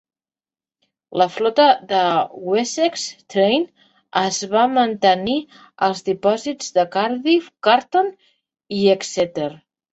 La flota de Wessex Train es va mantenir als dipòsits de Cardiff Canton i Exeter.